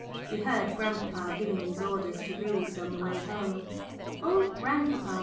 We heard grandpapa giving these orders to Reeves on the way home. "Oh, grandpapa!"